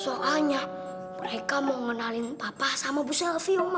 soalnya mereka mau ngenalin papa sama bu selfie oma